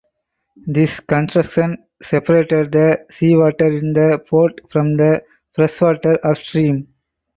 This construction separated the seawater in the port from the freshwater upstream.